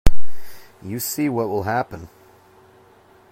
You see what will happen.